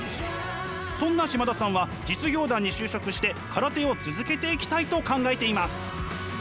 そんな嶋田さんは実業団に就職して空手を続けていきたいと考えています。